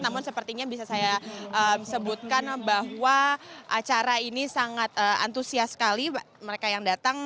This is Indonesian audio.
namun sepertinya bisa saya sebutkan bahwa acara ini sangat antusias sekali mereka yang datang